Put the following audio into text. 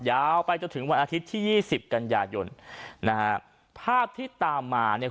ยาวไปจนถึงวันอาทิตย์ที่ยี่สิบกันยายนนะฮะภาพที่ตามมาเนี่ย